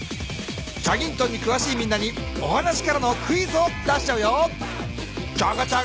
『チャギントン』にくわしいみんなにお話からのクイズを出しちゃうよ。